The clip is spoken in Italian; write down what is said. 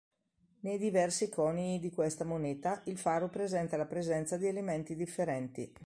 Nei diversi conii di questa moneta il faro presenta la presenza di elementi differenti.